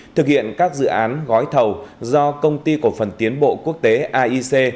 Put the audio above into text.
thực hiện các dự án gói thầu do công ty cổ phần tiến bộ quốc tế aic